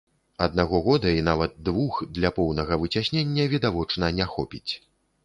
Аднаго года, і нават двух, для поўнага выцяснення, відавочна, не хопіць.